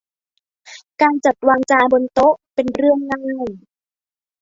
การจัดวางจานบนโต๊ะเป็นเรื่องง่าย